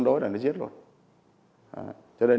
trong quá trình chạy trốn